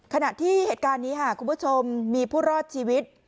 ขณะที่เหตุการณ์นี้ค่ะคุณผู้ชมมีผู้รอดชีวิต